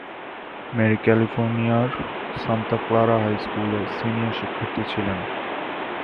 Mary ক্যালিফোর্নিয়ার Santa Clara high স্কুলে senior শিক্ষার্থী ছিলেন।